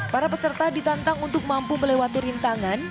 para peserta ditantang untuk mampu melewati rintangan